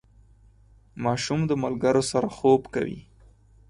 ماشوم د ملګرو سره خوب کوي.